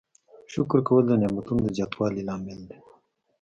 شکر کول د نعمتونو د زیاتوالي لامل دی.